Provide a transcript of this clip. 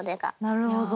なるほど。